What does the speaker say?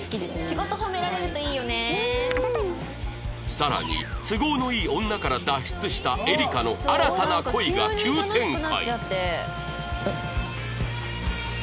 更に都合のいい女から脱出したエリカの新たな恋が急展開